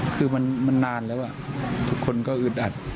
คือมันนานแล้วทุกคนก็อึดอัด